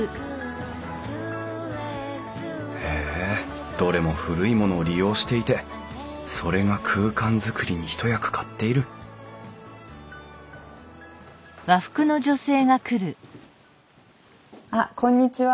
へえどれも古いものを利用していてそれが空間作りに一役買っているあっこんにちは。